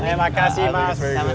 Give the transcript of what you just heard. terima kasih mas